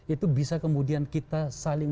itu bisa kemudian kita saling